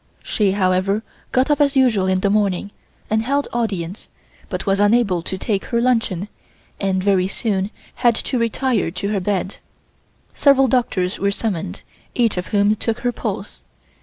She, however, got up as usual in the morning, and held audience, but was unable to take her luncheon, and very soon had to retire to her bed. Several doctors were summoned, each of whom took her pulse.